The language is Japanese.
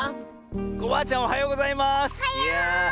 コバアちゃんおはようございます！